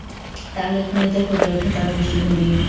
তার লেখনীতে ফুটে ওঠে তার দৃষ্টিভঙ্গি।